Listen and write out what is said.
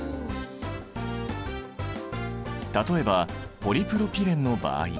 例えばポリプロピレンの場合。